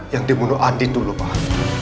yang dibunuh adi dulu pak